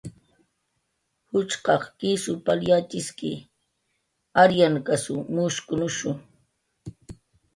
Juchqaq kisw pal yatxiski, ariyankasw mushkunushu